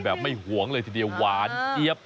ไม่หวงเลยทีเดียวหวานเจี๊ยบ